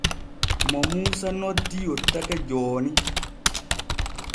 Mo Muusa noddi yottake jooni.